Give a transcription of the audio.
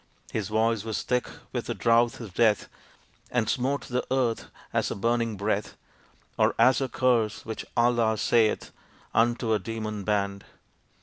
His voice was thick with the drouth of death And smote the earth as a burning breath, Or as a curse which Allah saith Unto a demon band.